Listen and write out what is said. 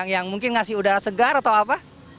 yang mungkin ngasih udara segar atau apa